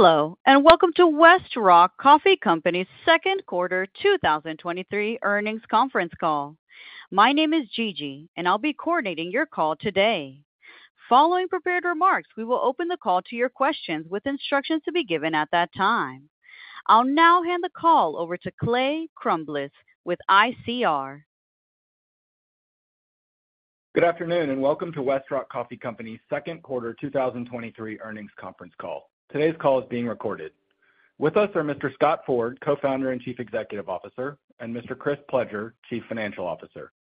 Hello, welcome to WestRock Coffee Company second quarter 2023 earnings conference call. My name is Gigi. I'll be coordinating your call today. Following prepared remarks, we will open the call to your questions with instructions to be given at that time. I'll now hand the call over to Clay Crumbliss with ICR. Good afternoon, welcome to WestRock Coffee Company's second quarter 2023 earnings conference call. Today's call is being recorded. With us are Mr. Scott Ford, Co-founder and Chief Executive Officer, and Mr. Chris Pledger, Chief Financial Officer.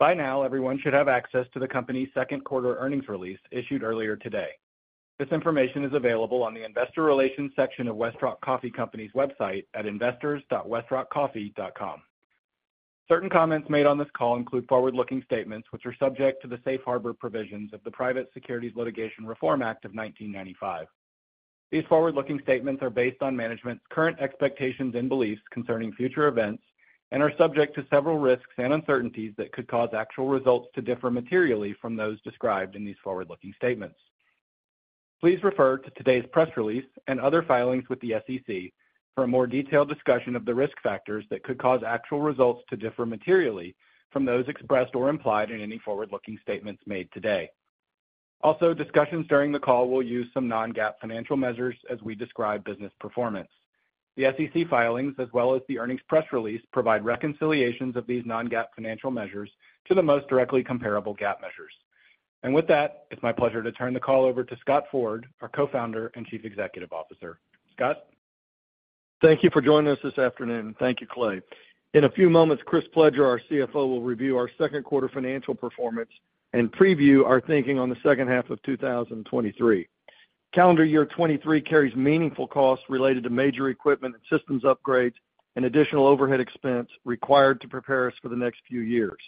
By now, everyone should have access to the company's second quarter earnings release issued earlier today. This information is available on the investor relations section of WestRock Coffee Company's website at investors.westrockcoffee.com. Certain comments made on this call include forward-looking statements, which are subject to the safe harbor provisions of the Private Securities Litigation Reform Act of 1995. These forward-looking statements are based on management's current expectations and beliefs concerning future events and are subject to several risks and uncertainties that could cause actual results to differ materially from those described in these forward-looking statements. Please refer to today's press release and other filings with the SEC for a more detailed discussion of the risk factors that could cause actual results to differ materially from those expressed or implied in any forward-looking statements made today. Also, discussions during the call will use some non-GAAP financial measures as we describe business performance. The SEC filings, as well as the earnings press release, provide reconciliations of these non-GAAP financial measures to the most directly comparable GAAP measures. With that, it's my pleasure to turn the call over to Scott Ford, our Co-founder and Chief Executive Officer. Scott? Thank you for joining us this afternoon, thank you, Clay. In a few moments, Chris Pledger, our CFO, will review our second quarter financial performance and preview our thinking on the second half of 2023. Calendar year 2023 carries meaningful costs related to major equipment and systems upgrades and additional overhead expense required to prepare us for the next few years.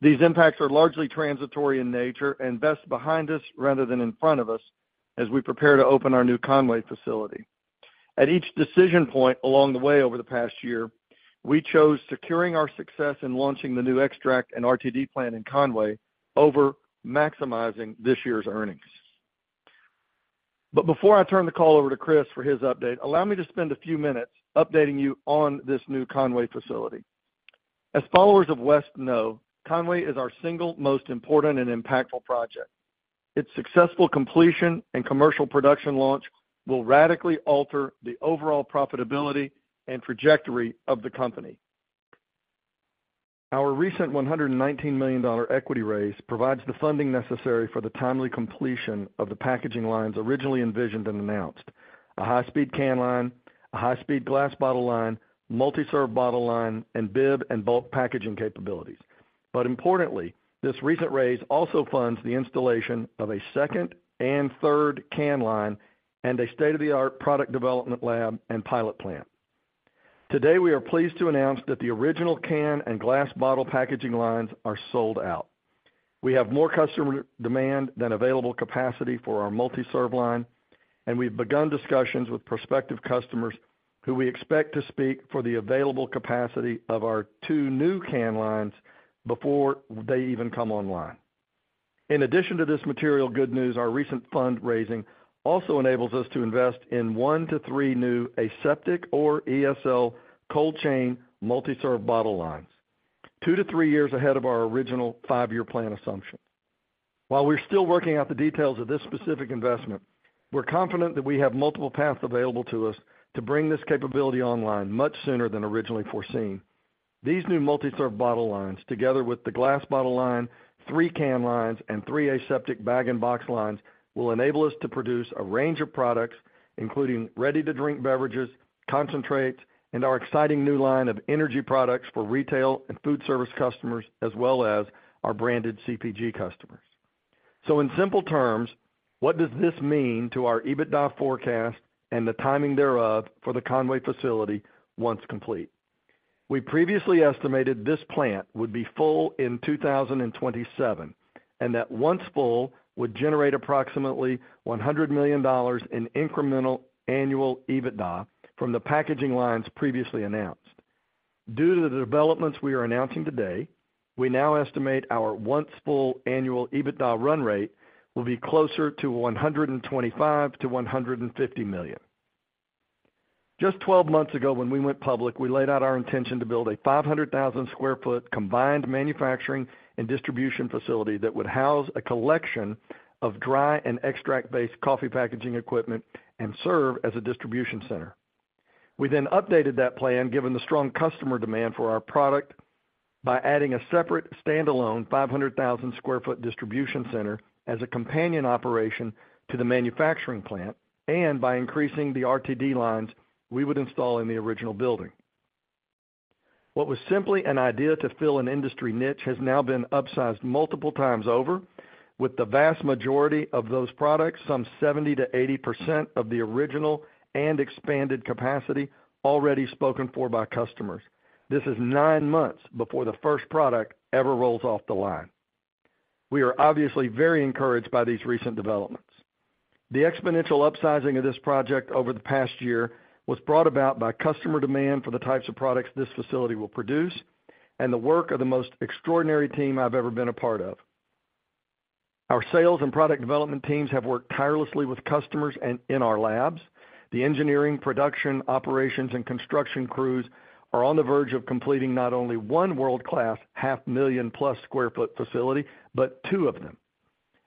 These impacts are largely transitory in nature and best behind us rather than in front of us as we prepare to open our new Conway facility. At each decision point along the way over the past year, we chose securing our success in launching the new extract and RTD plant in Conway over maximizing this year's earnings. Before I turn the call over to Chris for his update, allow me to spend a few minutes updating you on this new Conway facility. As followers of West know, Conway is our single most important and impactful projects. Its successful completion and commercial production launch will radically alter the overall profitability and trajectory of the company. Our recent $119 million equity raise provides the funding necessary for the timely completion of the packaging lines originally envisioned and announced: a high-speed can line, a high-speed glass bottle line, multi-serve bottle line, and bib and bulk packaging capabilities. Importantly, this recent raise also funds the installation of a second and third can line and a state-of-the-art product development lab and pilot plant. Today, we are pleased to announce that the original can and glass bottle packaging lines are sold out. We have more customer demand than available capacity for our multi-serve line, and we've begun discussions with prospective customers who we expect to speak for the available capacity of our two new can lines before they even come online. In addition to this material good news, our recent fundraising also enables us to invest in one to three new aseptic or ESL cold chain multi-serve bottle lines, two to three years ahead of our original five-year plan assumption. While we're still working out the details of this specific investment, we're confident that we have multiple paths available to us to bring this capability online much sooner than originally foreseen. These new multi-serve bottle lines, together with the glass bottle line, three can lines, and three aseptic bag-in-box lines, will enable us to produce a range of products, including ready-to-drink beverages, concentrates, and our exciting new line of energy products for retail and food service customers, as well as our branded CPG customers. In simple terms, what does this mean to our EBITDA forecast and the timing thereof for the Conway facility once complete? We previously estimated this plant would be full in 2027, and that once full, would generate approximately $100 million in incremental annual EBITDA from the packaging lines previously announced. Due to the developments we are announcing today, we now estimate our once full annual EBITDA run rate will be closer to $125 million-$150 million. Just 12 months ago, when we went public, we laid out our intention to build a 500,000 sq ft combined manufacturing and distribution facility that would house a collection of dry and extract-based coffee packaging equipment and serve as a distribution center. We updated that plan, given the strong customer demand for our product, by adding a separate standalone 500,000 sq ft distribution center as a companion operation to the manufacturing plant, and by increasing the RTD lines we would install in the original building. What was simply an idea to fill an industry niche has now been upsized multiple times over, with the vast majority of those products, some 70%-80% of the original and expanded capacity, already spoken for by customers. This is nine months before the first product ever rolls off the line. We are obviously very encouraged by these recent developments. The exponential upsizing of this project over the past year was brought about by customer demand for the types of products this facility will produce and the work of the most extraordinary team I've ever been a part of. Our sales and product development teams have worked tirelessly with customers and in our labs. The engineering, production, operations, and construction crews are on the verge of completing not only one world-class half million plus sq ft facility, but two of them.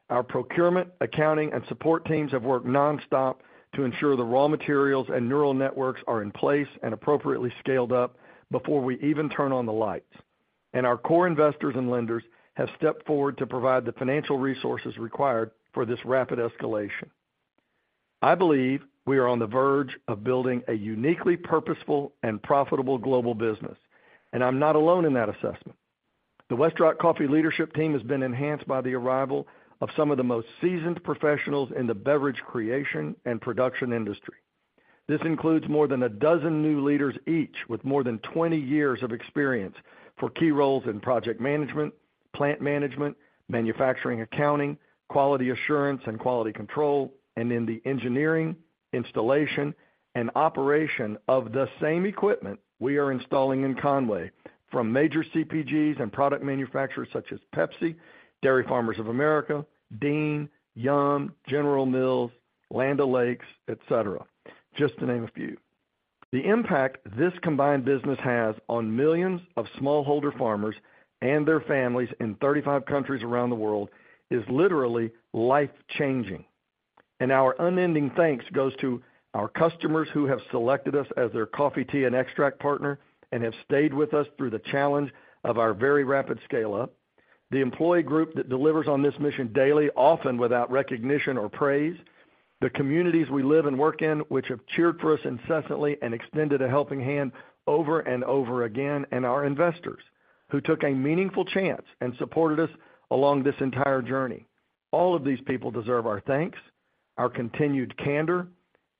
Our procurement, accounting, and support teams have worked nonstop to ensure the raw materials and neural networks are in place and appropriately scaled up before we even turn on the lights, and our core investors and lenders have stepped forward to provide the financial resources required for this rapid escalation. I believe we are on the verge of building a uniquely purposeful and profitable global business, and I'm not alone in that assessment. The Westrock Coffee leadership team has been enhanced by the arrival of some of the most seasoned professionals in the beverage creation and production industry. This includes more than a dozen new leaders, each with more than 20 years of experience for key roles in project management, plant management, manufacturing, accounting, quality assurance, and quality control, and in the engineering, installation, and operation of the same equipment we are installing in Conway from major CPGs and product manufacturers such as Pepsi, Dairy Farmers of America, Dean, Yum, General Mills, Land O'Lakes, et cetera, just to name a few. The impact this combined business has on millions of smallholder farmers and their families in 35 countries around the world is literally life-changing, and our unending thanks goes to our customers who have selected us as their coffee, tea and extract partner and have stayed with us through the challenge of our very rapid scale-up. The employee group that delivers on this mission daily, often without recognition or praise, the communities we live and work in, which have cheered for us incessantly and extended a helping hand over and over again, and our investors, who took a meaningful chance and supported us along this entire journey. All of these people deserve our thanks, our continued candor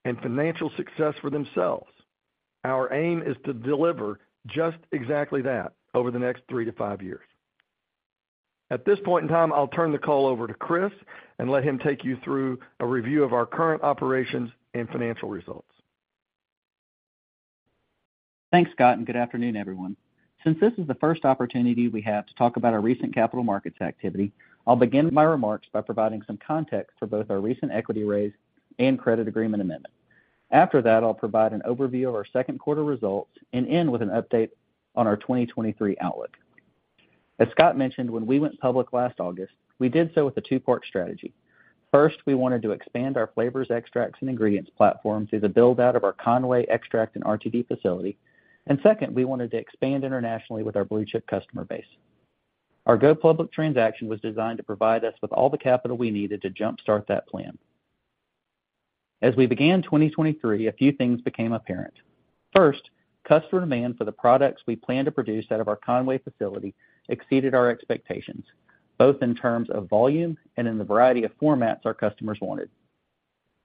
and financial success for themselves. Our aim is to deliver just exactly that over the next three to five years. At this point in time, I'll turn the call over to Chris and let him take you through a review of our current operations and financial results. Thanks, Scott. Good afternoon, everyone. Since this is the first opportunity we have to talk about our recent capital markets activity, I'll begin my remarks by providing some context for both our recent equity raise and credit agreement amendment. After that, I'll provide an overview of our second quarter results and end with an update on our 2023 outlook. As Scott mentioned, when we went public last August, we did so with a two-part strategy. First, we wanted to expand our flavors, extracts, and ingredients platform through the build-out of our Conway extract and RTD facility. Second, we wanted to expand internationally with our blue-chip customer base. Our go-public transaction was designed to provide us with all the capital we needed to jumpstart that plan. As we began 2023, a few things became apparent. First, customer demand for the products we planned to produce out of our Conway facility exceeded our expectations, both in terms of volume and in the variety of formats our customers wanted.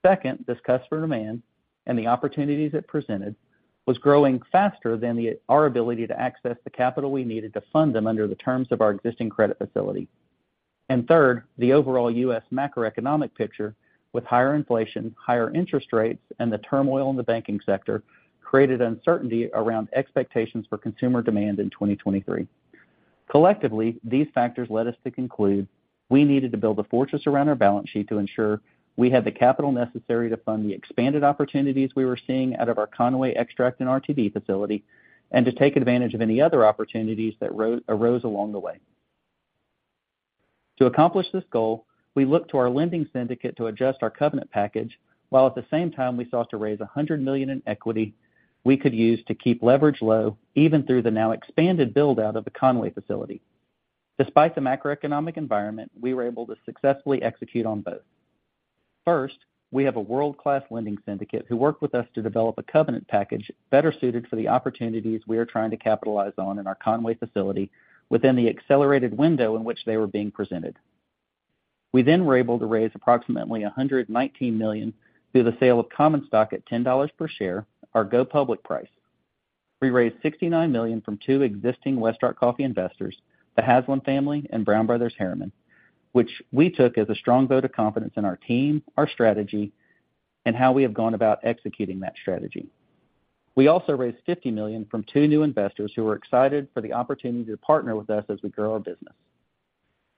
Second, this customer demand and the opportunities it presented was growing faster than our ability to access the capital we needed to fund them under the terms of our existing credit facility. Third, the overall U.S. macroeconomic picture with higher inflation, higher interest rates, and the turmoil in the banking sector created uncertainty around expectations for consumer demand in 2023. Collectively, these factors led us to conclude we needed to build a fortress around our balance sheet to ensure we had the capital necessary to fund the expanded opportunities we were seeing out of our Conway extract and RTD facility and to take advantage of any other opportunities that arose along the way. To accomplish this goal, we looked to our lending syndicate to adjust our covenant package, while at the same time we sought to raise $100 million in equity we could use to keep leverage low, even through the now expanded build-out of the Conway facility. Despite the macroeconomic environment, we were able to successfully execute on both. First, we have a world-class lending syndicate who worked with us to develop a covenant package better suited for the opportunities we are trying to capitalize on in our Conway facility within the accelerated window in which they were being presented. We were able to raise approximately $119 million through the sale of common stock at $10 per share, our go-public price. We raised $69 million from two existing Westrock Coffee investors, the Haslam family and Brown Brothers Harriman, which we took as a strong vote of confidence in our team, our strategy, and how we have gone about executing that strategy. We also raised $50 million from two new investors who were excited for the opportunity to partner with us as we grow our business.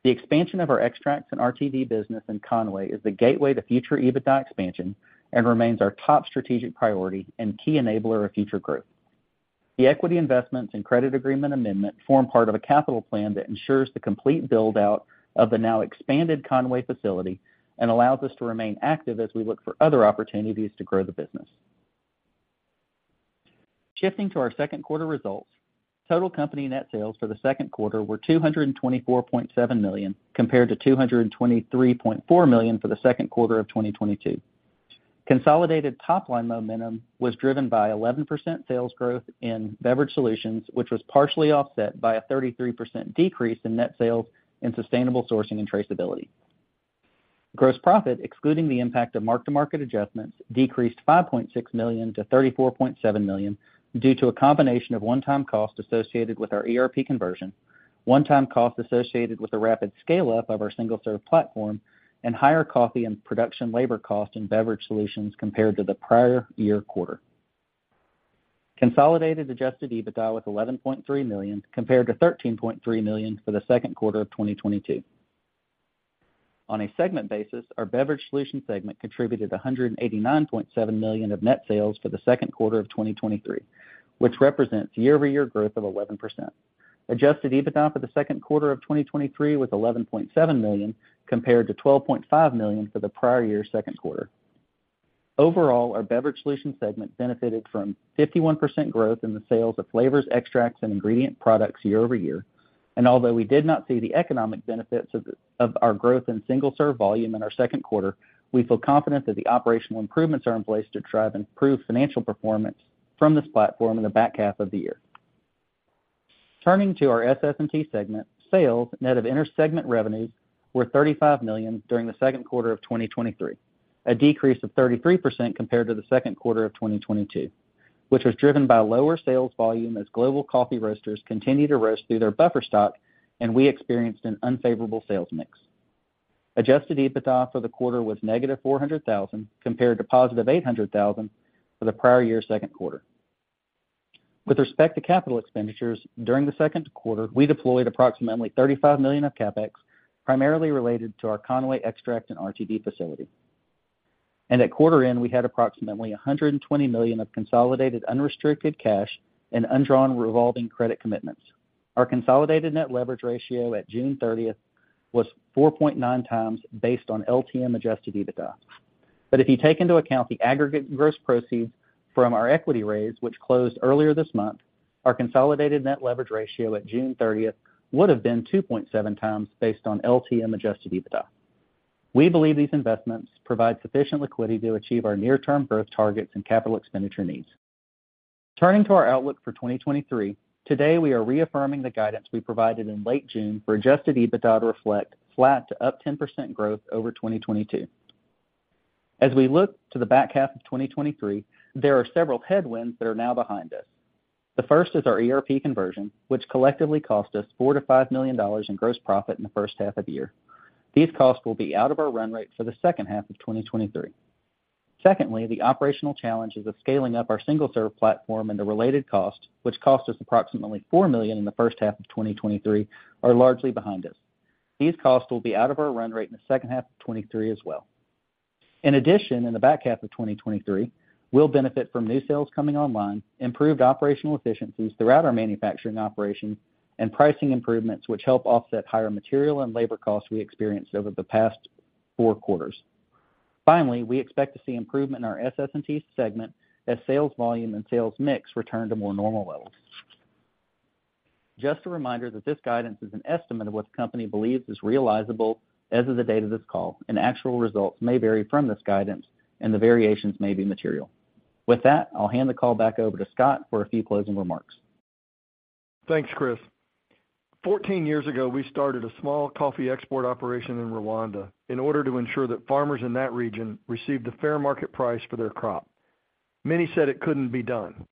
The expansion of our extracts and RTD business in Conway is the gateway to future EBITDA expansion and remains our top strategic priority and key enabler of future growth. The equity investments and credit agreement amendment form part of a capital plan that ensures the complete build-out of the now expanded Conway facility and allows us to remain active as we look for other opportunities to grow the business. Shifting to our second quarter results, total company net sales for the second quarter were $224.7 million, compared to $223.4 million for the second quarter of 2022. Consolidated top-line momentum was driven by 11% sales growth in Beverage Solutions, which was partially offset by a 33% decrease in net sales in Sustainable Sourcing & Traceability. Gross profit, excluding the impact of mark-to-market adjustments, decreased $5.6 million to $34.7 million due to a combination of one-time costs associated with our ERP conversion, one-time costs associated with the rapid scale-up of our single-serve platform, and higher coffee and production labor costs in Beverage Solutions compared to the prior year quarter. Consolidated adjusted EBITDA was $11.3 million compared to $13.3 million for the second quarter of 2022. On a segment basis, our Beverage Solutions segment contributed $189.7 million of net sales for the second quarter of 2023, which represents year-over-year growth of 11%. Adjusted EBITDA for the second quarter of 2023 was $11.7 million, compared to $12.5 million for the prior year's second quarter. Overall, our Beverage Solutions segment benefited from 51% growth in the sales of flavors, extracts, and ingredients products year-over-year. Although we did not see the economic benefits of our growth in single-serve volume in our second quarter, we feel confident that the operational improvements are in place to drive improved financial performance from this platform in the back half of the year. Turning to our SS&T segment, sales, net of inter-segment revenues, were $35 million during the second quarter of 2023, a decrease of 33% compared to the second quarter of 2022, which was driven by lower sales volume as global coffee roasters continue to roast through their buffer stock, and we experienced an unfavorable sales mix. Adjusted EBITDA for the quarter was negative $400,000, compared to positive $800,000 for the prior year's second quarter. With respect to capital expenditures, during the second quarter, we deployed approximately $35 million of CapEx, primarily related to our Conway extract and RTD facility. At quarter end, we had approximately $120 million of consolidated unrestricted cash and undrawn revolving credit commitments. Our consolidated net leverage ratio at June 30th was 4.9 times based on LTM adjusted EBITDA. If you take into account the aggregate gross proceeds from our equity raise, which closed earlier this month, our consolidated net leverage ratio at June 30th would have been 2.7x based on LTM adjusted EBITDA. We believe these investments provide sufficient liquidity to achieve our near-term growth targets and CapEx needs. Turning to our outlook for 2023, today, we are reaffirming the guidance we provided in late June for adjusted EBITDA to reflect flat to up 10% growth over 2022. As we look to the back half of 2023, there are several headwinds that are now behind us. The first is our ERP conversion, which collectively cost us $4 million-$5 million in gross profit in the first half of the year. These costs will be out of our run rate for the second half of 2023. Secondly, the operational challenges of scaling up our single-serve platform and the related cost, which cost us approximately $4 million in the first half of 2023, are largely behind us. These costs will be out of our run rate in the second half of 2023 as well. In addition, in the back half of 2023, we'll benefit from new sales coming online, improved operational efficiencies throughout our manufacturing operations, and pricing improvements, which help offset higher material and labor costs we experienced over the past four quarters. Finally, we expect to see improvement in our SS&T segment as sales volume and sales mix return to more normal levels. Just a reminder that this guidance is an estimate of what the company believes is realizable as of the date of this call, and actual results may vary from this guidance, and the variations may be material. With that, I'll hand the call back over to Scott for a few closing remarks. Thanks, Chris. 14 years ago, we started a small coffee export operation in Rwanda in order to ensure that farmers in that region received a fair market price for their crop. Many said it couldn't be done.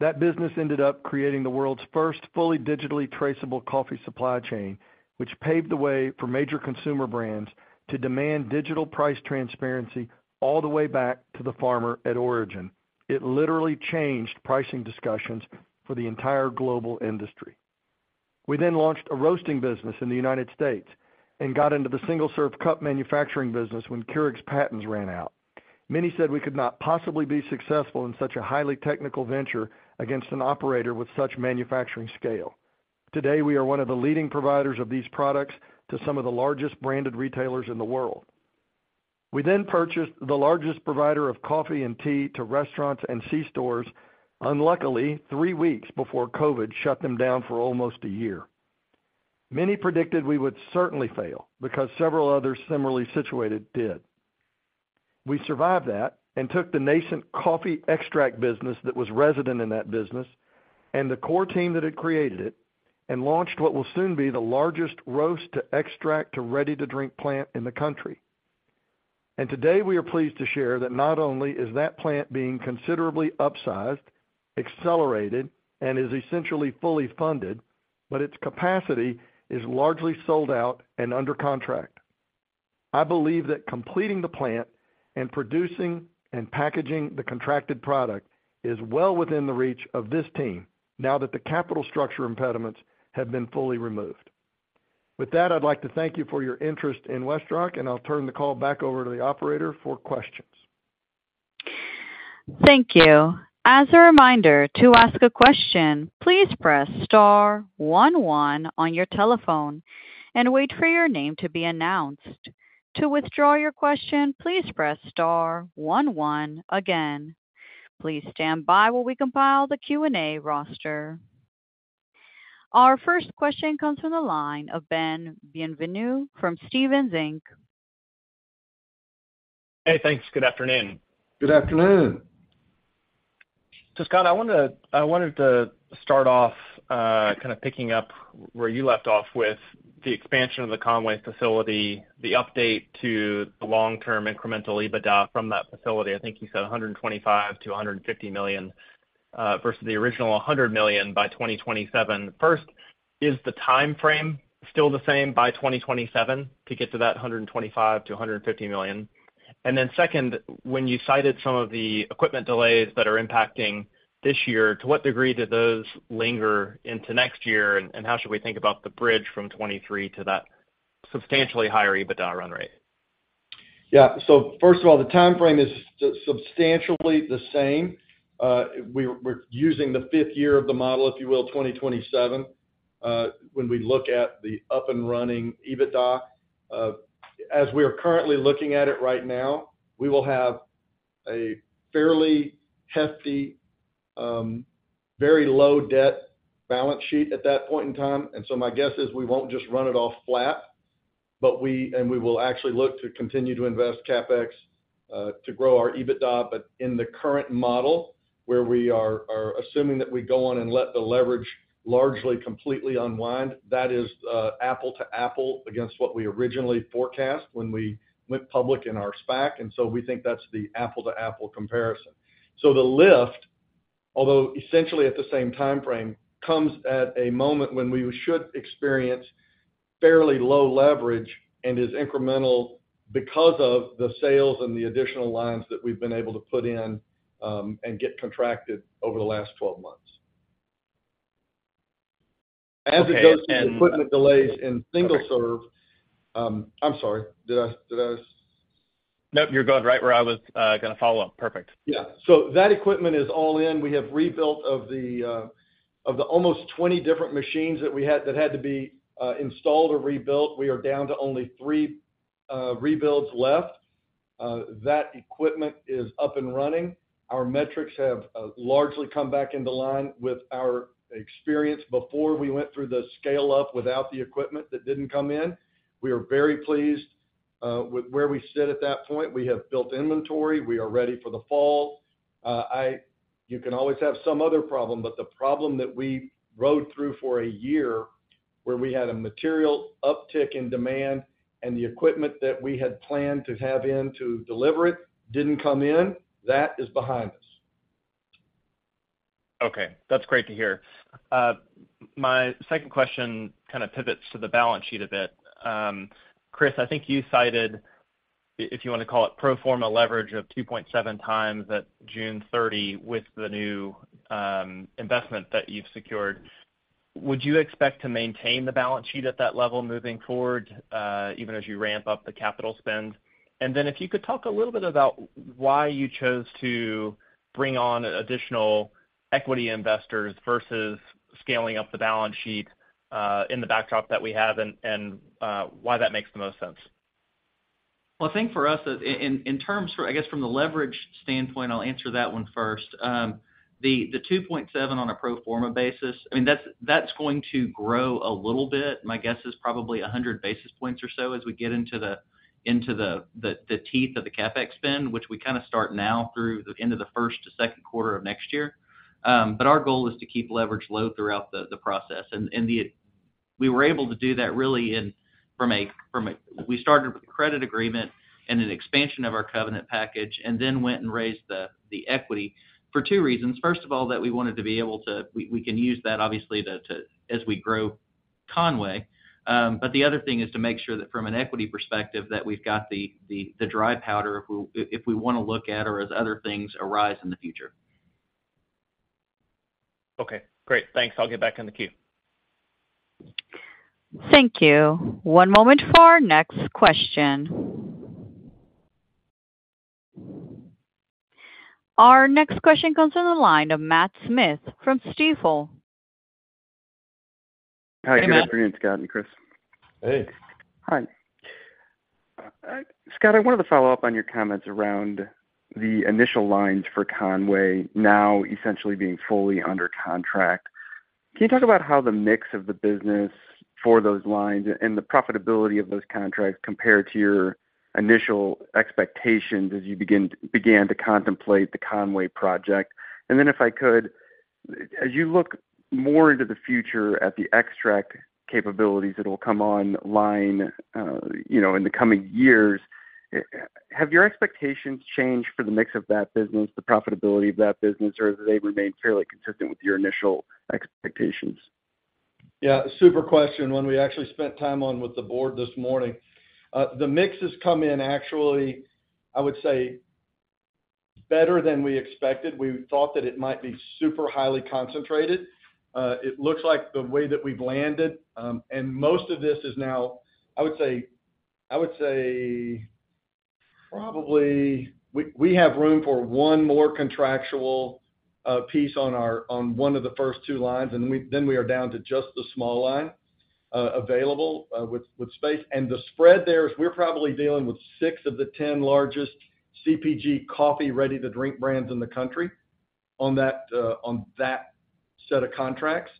That business ended up creating the world's first fully digitally traceable coffee supply chain, which paved the way for major consumer brands to demand digital price transparency all the way back to the farmer at origin. It literally changed pricing discussions for the entire global industry. We then launched a roasting business in the United States and got into the single-serve cup manufacturing business when Keurig's patents ran out. Many said we could not possibly be successful in such a highly technical venture against an operator with such manufacturing scale. Today, we are one of the leading providers of these products to some of the largest branded retailers in the world. We purchased the largest provider of coffee and tea to restaurants and C-stores, unluckily, three weeks before COVID shut them down for almost a year. Many predicted we would certainly fail because several others similarly situated did. We survived that and took the nascent coffee extract business that was resident in that business and the core team that had created it and launched what will soon be the largest roast to extract to ready-to-drink plant in the country. Today, we are pleased to share that not only is that plant being considerably upsized, accelerated, and is essentially fully funded, but its capacity is largely sold out and under contract. I believe that completing the plant and producing and packaging the contracted product is well within the reach of this team now that the capital structure impediments have been fully removed. With that, I'd like to thank you for your interest in Westrock, and I'll turn the call back over to the operator for questions. Thank you. As a reminder, to ask a question, please press star one one on your telephone and wait for your name to be announced. To withdraw your question, please press star one one again. Please stand by while we compile the Q&A roster. Our first question comes from the line of Ben Bienvenu from Stephens Inc. Hey, thanks. Good afternoon. Good afternoon. Scott, I wanted to, I wanted to start off, kind of picking up where you left off with the expansion of the Conway facility, the update to the long-term incremental EBITDA from that facility. I think you said $125 million-$150 million versus the original $100 million by 2027. First, is the time frame still the same by 2027 to get to that $125 million-$150 million? Then second, when you cited some of the equipment delays that are impacting this year, to what degree do those linger into next year? How should we think about the bridge from 2023 to that substantially higher EBITDA run rate? Yeah. So first of all, the time frame is substantially the same. We're using the 5th year of the model, if you will, 2027, when we look at the up and running EBITDA. As we are currently looking at it right now, we will have a fairly hefty, very low debt balance sheet at that point in time. My guess is we won't just run it off flat, but and we will actually look to continue to invest CapEx to grow our EBITDA. In the current model, where we are assuming that we go on and let the leverage largely completely unwind, that is apple to apple against what we originally forecast when we went public in our SPAC. We think that's the apple-to-apple comparison. The lift, although essentially at the same time frame, comes at a moment when we should experience fairly low leverage and is incremental because of the sales and the additional lines that we've been able to put in, and get contracted over the last 12 months. Okay. As it goes to the equipment delays in single-serve. I'm sorry, did I, did I? No, you're going right where I was, gonna follow up. Perfect. That equipment is all in. We have rebuilt of the, of the almost 20 different machines that we had, that had to be installed or rebuilt, we are down to only three rebuilds left. That equipment is up and running. Our metrics have largely come back into line with our experience before we went through the scale-up without the equipment that didn't come in. We are very pleased with where we sit at that point. We have built inventory. We are ready for the fall. I, you can always have some other problem, but the problem that we rode through for a year, where we had a material uptick in demand and the equipment that we had planned to have in to deliver it, didn't come in, that is behind us. Okay, that's great to hear. My second question kind of pivots to the balance sheet a bit. Chris, I think you cited, if you want to call it, pro forma leverage of 2.7x at June 30 with the new investment that you've secured. Would you expect to maintain the balance sheet at that level moving forward, even as you ramp up the capital spend? If you could talk a little bit about why you chose to bring on additional equity investors versus scaling up the balance sheet, in the backdrop that we have and why that makes the most sense. Well, I think for us, I guess, from the leverage standpoint, I'll answer that one first. The 2.7 on a pro forma basis, I mean, that's, that's going to grow a little bit. My guess is probably 100 basis points or so as we get into the teeth of the CapEx spend, which we kind of start now through the end of the first to second quarter of next year. Our goal is to keep leverage low throughout the process. We were able to do that really, we started with a credit agreement and an expansion of our covenant package, and then went and raised the equity for two reasons. First of all, that we wanted to be able to we can use that obviously, to as we grow Conway. The other thing is to make sure that from an equity perspective, that we've got the dry powder, if we, if we wanna look at or as other things arise in the future. Okay, great. Thanks. I'll get back in the queue. Thank you. One moment for our next question. Our next question comes from the line of Matt Smith from Stifel. Hi, good afternoon, Scott and Chris. Hey. Hi. Scott, I wanted to follow up on your comments around the initial lines for Conway now essentially being fully under contract. Can you talk about how the mix of the business for those lines and the profitability of those contracts compare to your initial expectations as you began to contemplate the Conway project? If I could, as you look more into the future at the extract capabilities that will come on line, you know, in the coming years, have your expectations changed for the mix of that business, the profitability of that business, or have they remained fairly consistent with your initial expectations? Yeah, super question, one we actually spent time on with the board this morning. The mix has come in actually, I would say, better than we expected. We thought that it might be super highly concentrated. It looks like the way that we've landed, and most of this is now, I would say, I would say probably we, we have room for one more contractual piece on one of the first two lines, and then we, then we are down to just the small line available with space. The spread there is we're probably dealing with six of the 10 largest CPG coffee ready to drink brands in the country on that on that set of contracts.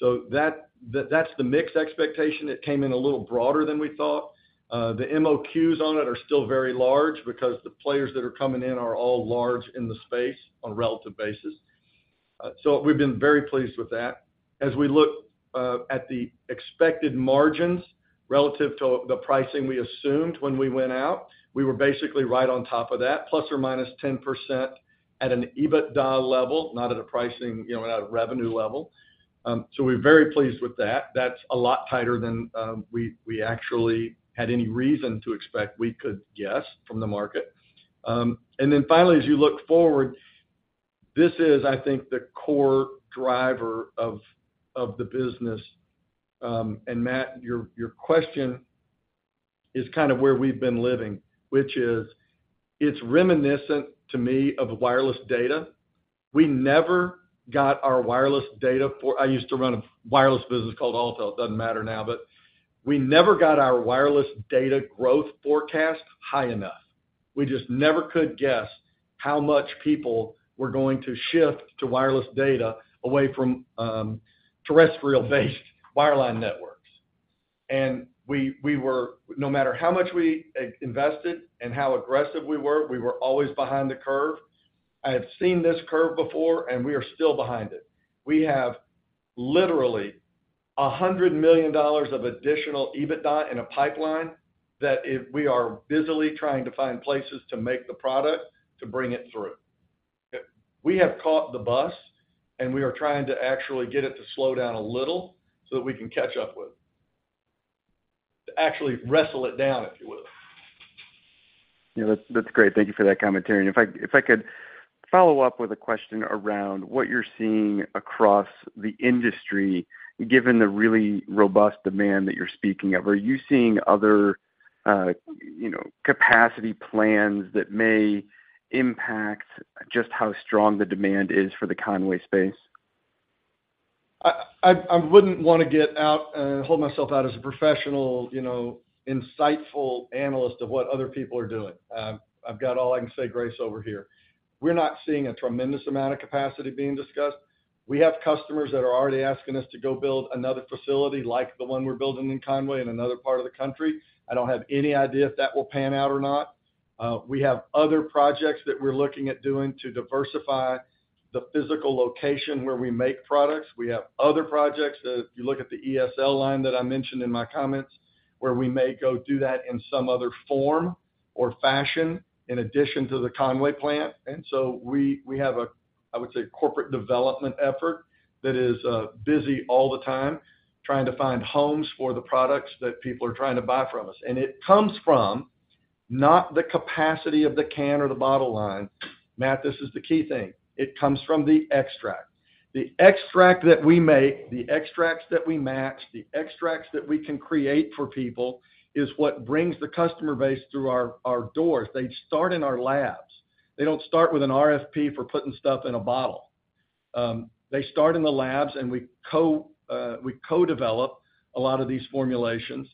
That, that's the mix expectation. It came in a little broader than we thought. The MOQs on it are still very large because the players that are coming in are all large in the space on a relative basis. We've been very pleased with that. As we look at the expected margins relative to the pricing we assumed when we went out, we were basically right on top of that, plus or minus 10%. at an EBITDA level, not at a pricing, you know, not a revenue level. We're very pleased with that. That's a lot tighter than we, we actually had any reason to expect we could guess from the market. Then finally, as you look forward, this is, I think, the core driver of the business. Matt, your, your question is kind of where we've been living, which is, it's reminiscent to me of wireless data. We never got our wireless data for, I used to run a wireless business called Alltel, doesn't matter now, but we never got our wireless data growth forecast high enough. We just never could guess how much people were going to shift to wireless data away from terrestrial-based wireline networks. We, we were, no matter how much we i- invested and how aggressive we were, we were always behind the curve. I have seen this curve before, and we are still behind it. We have literally $100 million of additional EBITDA in a pipeline that if we are busily trying to find places to make the product to bring it through. We have caught the bus, and we are trying to actually get it to slow down a little so that we can catch up with. To actually wrestle it down, if you will. Yeah, that's, that's great. Thank you for that commentary. If I, if I could follow up with a question around what you're seeing across the industry, given the really robust demand that you're speaking of. Are you seeing other, you know, capacity plans that may impact just how strong the demand is for the Conway space? I, I, I wouldn't wanna get out, hold myself out as a professional, you know, insightful analyst of what other people are doing. I've got all I can say, grace, over here. We're not seeing a tremendous amount of capacity being discussed. We have customers that are already asking us to go build another facility like the one we're building in Conway, in another part of the country. I don't have any idea if that will pan out or not. We have other projects that we're looking at doing to diversify the physical location where we make products. We have other projects, if you look at the ESL line that I mentioned in my comments, where we may go do that in some other form or fashion, in addition to the Conway plant. We, we have a, I would say, corporate development effort that is busy all the time, trying to find homes for the products that people are trying to buy from us. It comes from not the capacity of the can or the bottle line. Matt, this is the key thing: It comes from the extract. The extract that we make, the extracts that we match, the extracts that we can create for people, is what brings the customer base through our, our doors. They start in our labs. They don't start with an RFP for putting stuff in a bottle. They start in the labs, and we co-develop a lot of these formulations,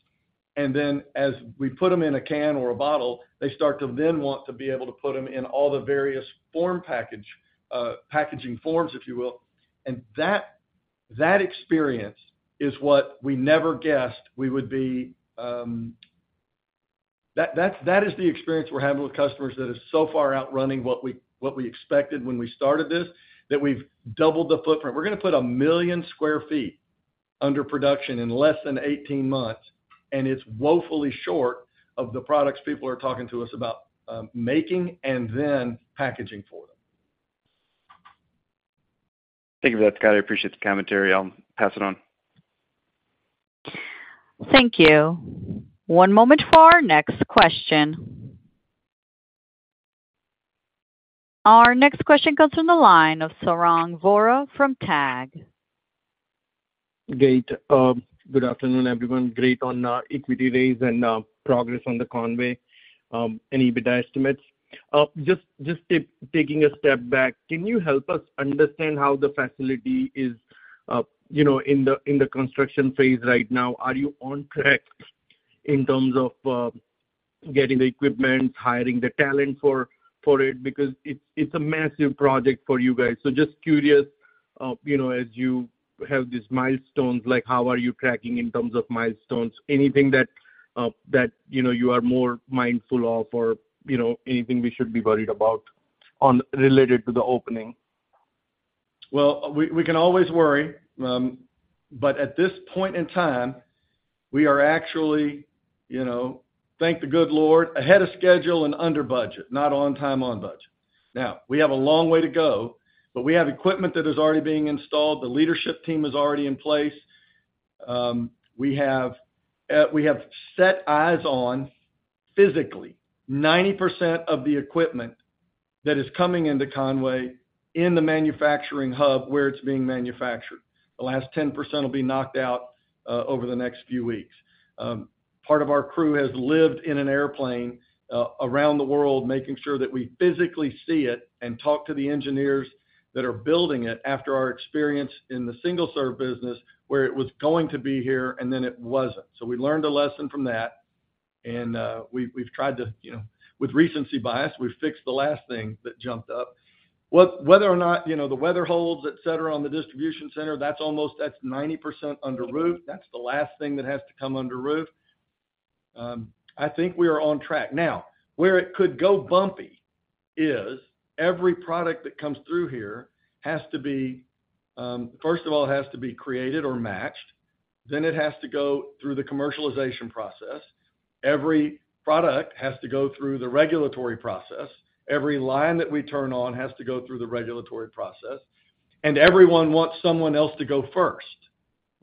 and then as we put them in a can or a bottle, they start to then want to be able to put them in all the various form package, packaging forms, if you will. That, that experience is what we never guessed we would be. That, that, that is the experience we're having with customers that is so far outrunning what we, what we expected when we started this, that we've doubled the footprint. We're gonna put a million sq ft under production in less than 18 months, and it's woefully short of the products people are talking to us about, making and then packaging for them. Thank you for that, Scott. I appreciate the commentary. I'll pass it on. Thank you. One moment for our next question. Our next question comes from the line of Sarang Vora from TAG. Great. Good afternoon, everyone. Great on equity raise and progress on the Conway and EBITDA estimates. Just, just taking a step back, can you help us understand how the facility is, you know, in the, in the construction phase right now? Are you on track in terms of getting the equipment, hiring the talent for, for it? Because it's, it's a massive project for you guys. Just curious, you know, as you have these milestones, like, how are you tracking in terms of milestones? Anything that, that, you know, you are more mindful of, or, you know, anything we should be worried about related to the opening? Well, we, we can always worry, but at this point in time, we are actually, you know, thank the good Lord, ahead of schedule and under budget, not on time, on budget. We have a long way to go, but we have equipment that is already being installed. The leadership team is already in place. We have set eyes on, physically, 90% of the equipment that is coming into Conway in the manufacturing hub where it's being manufactured. The last 10% will be knocked out, over the next few weeks. Part of our crew has lived in an airplane, around the world, making sure that we physically see it and talk to the engineers that are building it, after our experience in the single-serve business, where it was going to be here, and then it wasn't. We learned a lesson from that, and we've, we've tried to, you know, with recency bias, we've fixed the last thing that jumped up. Whether or not, you know, the weather holds, et cetera, on the distribution center, that's almost, that's 90% under roof. That's the last thing that has to come under roof. I think we are on track. Where it could go bumpy is every product that comes through here has to be, first of all, it has to be created or matched. Then it has to go through the commercialization process. Every product has to go through the regulatory process. Every line that we turn on has to go through the regulatory process, and everyone wants someone else to go first,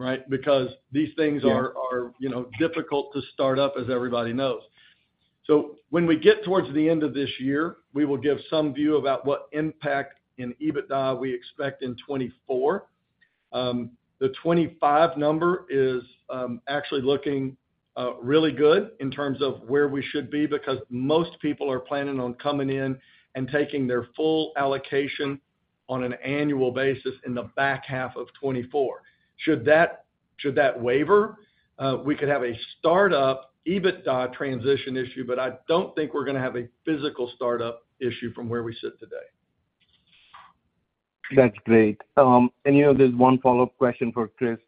right? Because these things are- are, you know, difficult to start up, as everybody knows. When we get towards the end of this year, we will give some view about what impact in EBITDA we expect in 2024. The 2025 number is actually looking really good in terms of where we should be, because most people are planning on coming in and taking their full allocation on an annual basis in the back half of 2024. Should that, should that waver, we could have a startup EBITDA transition issue, but I don't think we're gonna have a physical startup issue from where we sit today. That's great. You know, there's one follow-up question for Chris.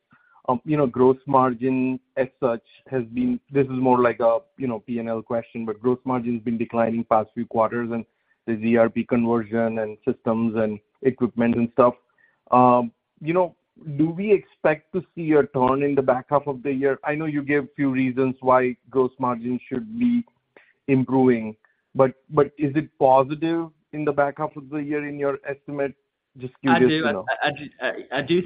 You know, gross margin as such, this is more like a, you know, P&L question, but gross margin has been declining past few quarters and the ERP conversion and systems and equipment and stuff. You know, do we expect to see a turn in the back half of the year? I know you gave a few reasons why gross margin should be improving, but, is it positive in the back half of the year in your estimate? Just curious to know. I do. I do,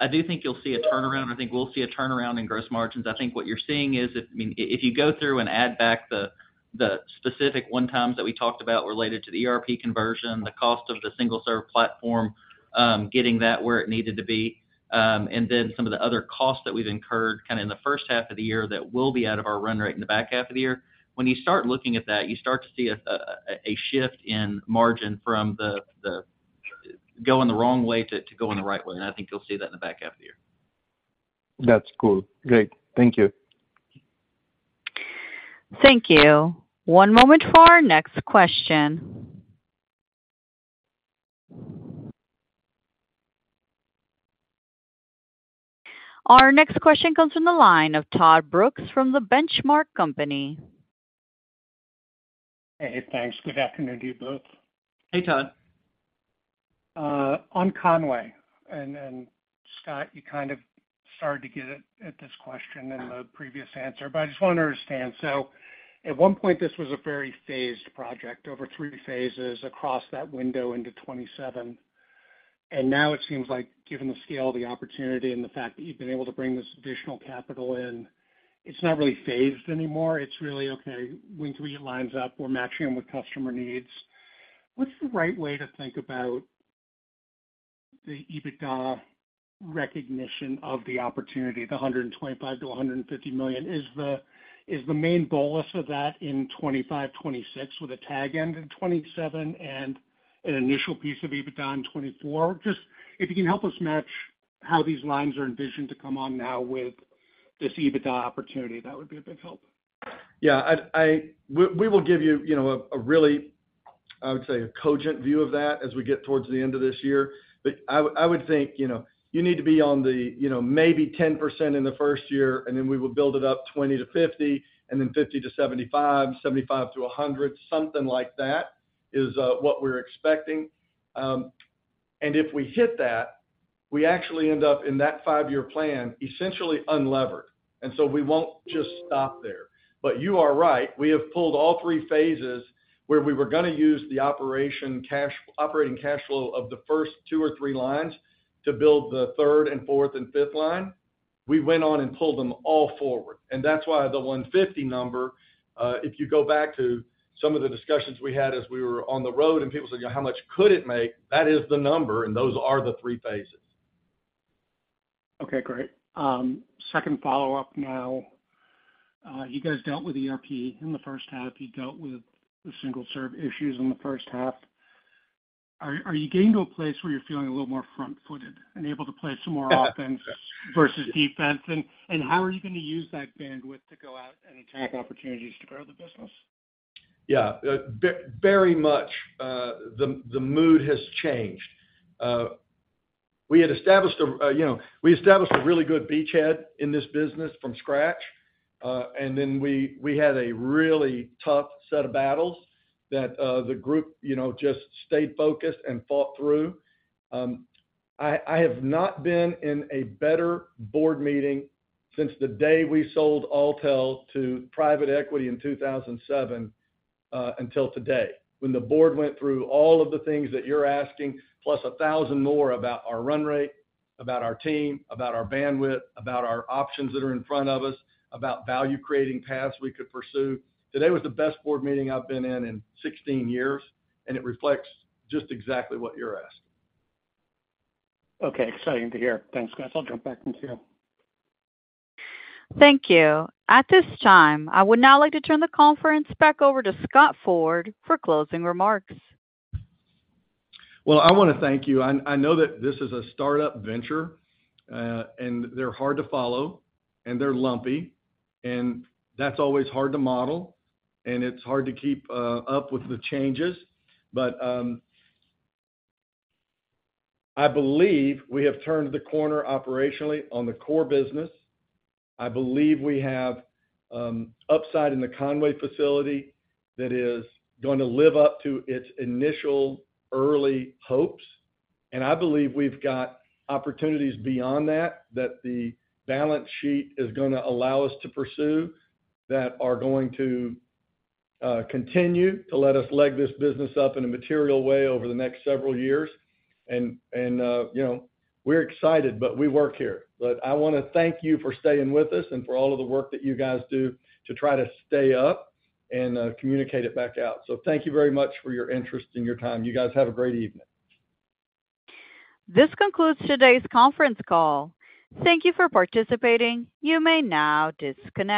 I do think you'll see a turnaround. I think we'll see a turnaround in gross margins. I think what you're seeing is if, I mean, if you go through and add back the, the specific one-times that we talked about related to the ERP conversion, the cost of the single-serve platform, getting that where it needed to be, and then some of the other costs that we've incurred kind of in the first half of the year that will be out of our run rate in the back half of the year. When you start looking at that, you start to see a, a, a shift in margin from the, the going the wrong way to, to going the right way. I think you'll see that in the back half of the year. That's cool. Great. Thank you. Thank you. One moment for our next question. Our next question comes from the line of Todd Brooks, from The Benchmark Company. Hey, thanks. Good afternoon to you both. Hey, Todd. On Conway, Scott, you kind of started to get at this question in the previous answer, I just want to understand. At one point, this was a very phased project, over three phases across that window into 2027. Now it seems like given the scale of the opportunity and the fact that you've been able to bring this additional capital in, it's not really phased anymore. It's really, okay, when three lines up, we're matching them with customer needs. What's the right way to think about the EBITDA recognition of the opportunity, the $125 million-$150 million? Is the main bolus of that in 2025, 2026, with a tag end in 2027 and an initial piece of EBITDA in 2024? Just if you can help us match how these lines are envisioned to come on now with this EBITDA opportunity, that would be a big help. Yeah, we, we will give you, you know, a, a really, I would say, a cogent view of that as we get towards the end of this year. I would, I would think, you know, you need to be on the, you know, maybe 10% in the first year, and then we will build it up 20%-50%, and then 50%-75%, 75%-100%, something like that is what we're expecting. And if we hit that, we actually end up in that five-year plan, essentially unlevered, and so we won't just stop there. You are right, we have pulled all three phases where we were gonna use the operating cash flow of the first two or three lines to build the third and fourth and fifth line. We went on and pulled them all forward, that's why the 150 number, if you go back to some of the discussions we had as we were on the road, people said: "How much could it make?" That is the number, those are the three phases. Okay, great. Second follow-up now? You guys dealt with ERP in the first half. You dealt with the single-serve issues in the first half. Are, are you getting to a place where you're feeling a little more front-footed and able to play some more offense versus defense? How are you going to use that bandwidth to go out and attack opportunities to grow the business? Yeah, very much, the mood has changed. We had established a, you know, we established a really good beachhead in this business from scratch. Then we, we had a really tough set of battles that, the group, you know, just stayed focused and fought through. I, I have not been in a better board meeting since the day we sold Alltel to private equity in 2007, until today. When the board went through all of the things that you're asking, plus 1,000 more about our run rate, about our team, about our bandwidth, about our options that are in front of us, about value-creating paths we could pursue. Today was the best board meeting I've been in, in 16 years, and it reflects just exactly what you're asking. Okay. Exciting to hear. Thanks, guys. I'll jump back in the queue. Thank you. At this time, I would now like to turn the conference back over to Scott Ford for closing remarks. Well, I want to thank you. I, I know that this is a start-up venture, and they're hard to follow, and they're lumpy, and that's always hard to model, and it's hard to keep up with the changes. I believe we have turned the corner operationally on the core business. I believe we have upside in the Conway facility that is going to live up to its initial early hopes. I believe we've got opportunities beyond that, that the balance sheet is gonna allow us to pursue, that are going to continue to let us leg this business up in a material way over the next several years. You know, we're excited, but we work here. I want to thank you for staying with us and for all of the work that you guys do to try to stay up and communicate it back out. Thank you very much for your interest and your time. You guys have a great evening. This concludes today's conference call. Thank you for participating. You may now disconnect.